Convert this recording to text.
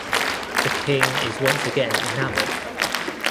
The king is once again enamored.